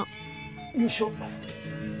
よいしょ。